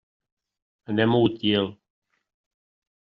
Anem a Utiel.